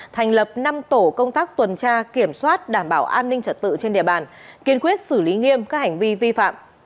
thành lập năm tổ công tác tuần tra kiểm soát đảm bảo an ninh trật tự trên địa bàn kiên quyết xử lý nghiêm các hành vi vi phạm